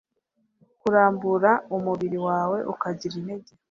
Kurambura umubiri wawe ukagira intege